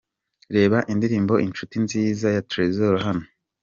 Reba indirimbo Incuti Nziza ya Trezzor hano:.